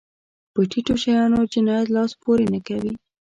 په ټيټو شیانو جنایت لاس پورې نه کوي.